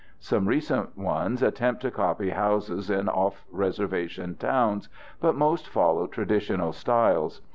Some recent ones attempt to copy houses in off reservation towns, but most follow traditional styles.